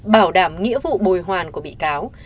bảo đảm nghĩa vụ bồi hoàn của bị cáo